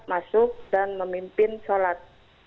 langsung dan memimpin solat